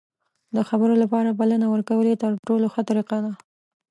د خبرو لپاره بلنه ورکول یې تر ټولو ښه طریقه ده.